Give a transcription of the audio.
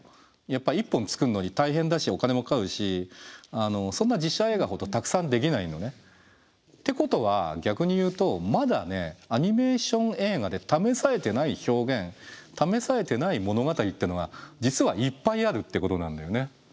やっぱ１本作るのに大変だしお金もかかるしそんな実写映画ほどたくさんできないのね。ってことは逆に言うとまだねアニメーション映画で試されてない表現試されてない物語っていうのが実はいっぱいあるってことなんだよね。